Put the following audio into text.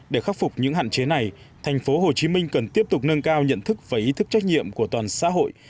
để khắc phục những hạn chế này thành phố hồ chí minh cần tiếp tục nâng cao nhận thức và ý thức trách nhiệm của toàn xã hội